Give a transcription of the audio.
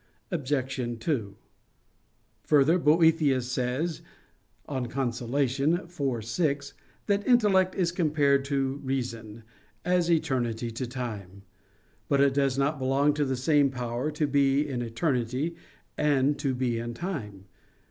Obj. 2: Further, Boethius says (De Consol. iv, 6), that intellect is compared to reason, as eternity to time. But it does not belong to the same power to be in eternity and to be in time.